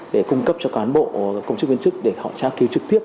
để cung cấp cho cán bộ công chức nguyên chức để họ trác cứu trực tiếp